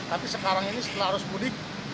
tapi sekarang ini setelah arus mudik